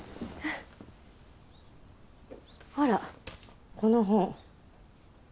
あらこの本。